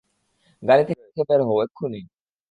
গাড়ি থেকে বের হও, এক্ষুণি!